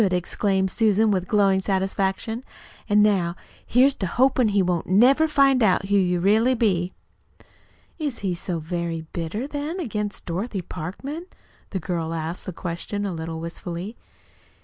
exclaimed Susan with glowing satisfaction. "An' now here's to hopin' he won't never find out who you really be!" "Is he so very bitter, then, against Dorothy Parkman?" The girl asked the question a little wistfully.